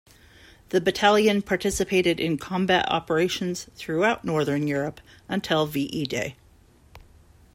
The battalion participated in combat operations throughout northern Europe until V-E Day.